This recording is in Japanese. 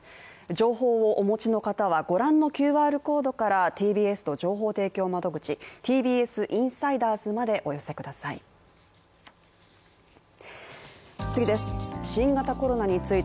情報をお持ちの方は、御覧のＱＲコードからＴＢＳの情報提供窓口、ＴＢＳインサイダーズまでお寄せください。